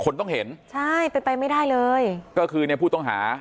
คนต้องเห็นใช่เป็นไปไม่ได้เลยก็คือเนี่ยผู้ต้องหา